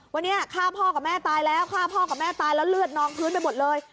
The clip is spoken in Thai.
วันนี้ฆ่าพ่อกับแม่ตายแล้วฆ่าพ่อกับแม่ตายแล้วเลือดนองพื้นไปหมดเลย